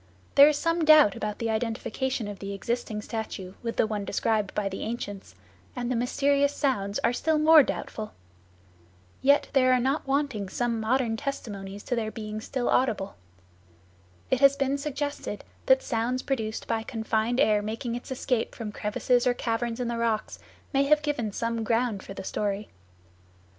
There is some doubt about the identification of the existing statue with the one described by the ancients, and the mysterious sounds are still more doubtful. Yet there are not wanting some modern testimonies to their being still audible. It has been suggested that sounds produced by confined air making its escape from crevices or caverns in the rocks may have given some ground for the story.